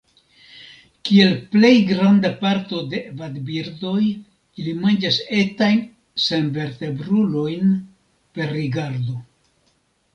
Kiel plej granda parto de vadbirdoj, ili manĝas etajn senvertebrulojn per rigardo.